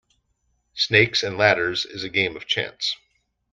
Snakes and ladders is a game of chance.